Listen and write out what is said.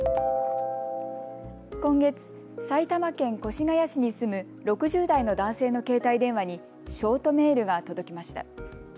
今月、埼玉県越谷市に住む６０代の男性の携帯電話にショートメールが届きました。